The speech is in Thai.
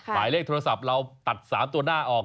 หมายเลขโทรศัพท์เราตัด๓ตัวหน้าออก